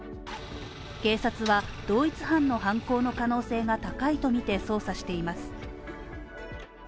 警察は同一犯の犯行の可能性が高いとみて捜査しています。